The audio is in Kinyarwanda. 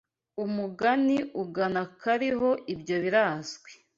Umugani ugana akariho ibyo birazwi